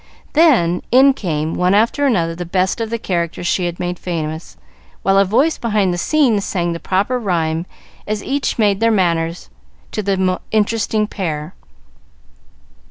Then in came, one after another, the best of the characters she has made famous, while a voice behind the scenes sang the proper rhyme as each made their manners to the interesting pair.